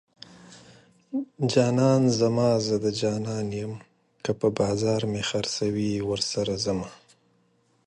جانان زما زه د جانان یم که په بازار مې خرڅوي ورسره ځمه